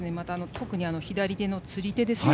特に左手の釣り手ですね。